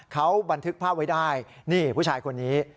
เขาบันทึกภาพไว้ได้นี่ผู้ชายคนนี้